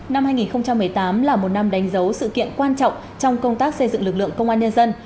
năm hai nghìn một mươi tám là một năm đánh dấu sự kiện quan trọng trong công tác xây dựng lực lượng công an nhân dân